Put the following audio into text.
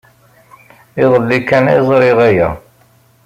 Iḍelli kan ay ẓriɣ aya.